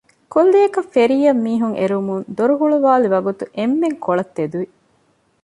ކުއްލިއަކަށް ފެރީއަށް މީހުން އެރުވުމަށް ދޮރު ހުޅުވައިލި ވަގުތު އެންމެން ކޮޅަށް ތެދުވި